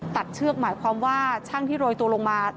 เชือกหมายความว่าช่างที่โรยตัวลงมา